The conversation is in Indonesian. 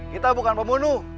kita bukan pembunuh